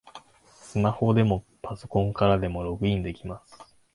スマホでもパソコンからでもログインできます